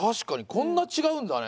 こんな違うんだね